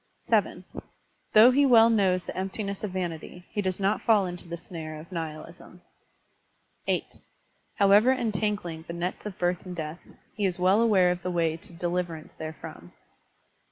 (7) Though he well knows the emptiness of vanity, he does not fall into the snare of nihilism. (8) However entangling the nets of birth and death, he is well aware of the way to deliverance there from.